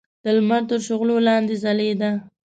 د لمر تر شغلو لاندې ځلېده.